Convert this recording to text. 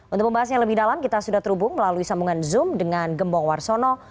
untuk membahasnya lebih dalam kita sudah terhubung melalui sambungan zoom dengan gembong warsono